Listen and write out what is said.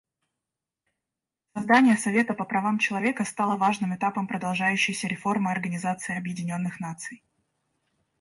Создание Совета по правам человека стало важным этапом продолжающейся реформы Организации Объединенных Наций.